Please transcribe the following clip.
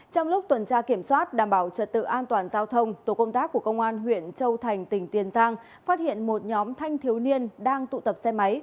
trong lúc tuần tra kiểm soát đảm bảo trật tự an toàn giao thông tổ công tác của công an huyện châu thành tỉnh tiền giang phát hiện một nhóm thanh thiếu niên đang tụ tập xe máy